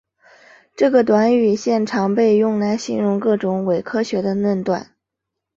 这个短语现常被用来形容各种伪科学的论断。